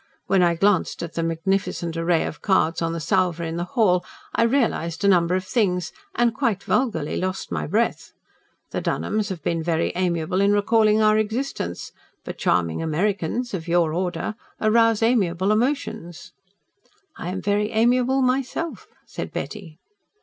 When I glanced at the magnificent array of cards on the salver in the hall, I realised a number of things, and quite vulgarly lost my breath. The Dunholms have been very amiable in recalling our existence. But charming Americans of your order arouse amiable emotions." "I am very amiable myself," said Betty.